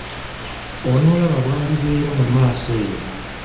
Onoolaba bw’alibeera mu maaso eyo.